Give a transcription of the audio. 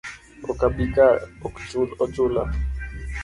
Ok abi ka ok ochula